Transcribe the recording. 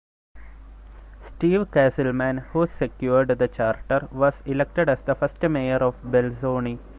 Steve Castleman, who secured the charter, was elected as the first mayor of Belzoni.